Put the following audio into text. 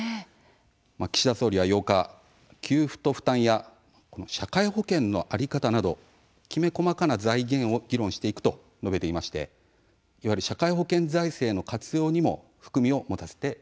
岸田総理は８日、給付と負担や社会保険の在り方などきめ細かな財源を議論していくと述べていましていわゆる社会保険財政の活用にも含みを持たせています。